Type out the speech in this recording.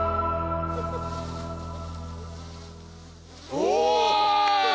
お！